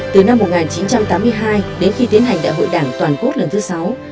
từ năm một nghìn chín trăm tám mươi hai đến khi tiến hành đại hội đảng toàn quốc lần thứ sáu